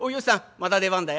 また出番だよ」。